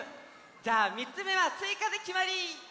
じゃあ３つめはすいかできまり！